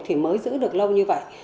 thì mới giữ được lâu như vậy